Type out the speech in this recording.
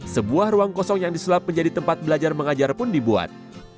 sebuah ruang kosong yang disulap menjadi tempat belajar mengajar pun dibuat